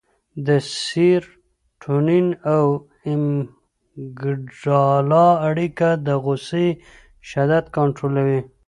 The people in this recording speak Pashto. د سېرټونین او امګډالا اړیکه د غوسې شدت کنټرولوي.